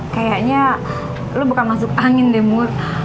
kayaknya lu bukan masuk angin deh mur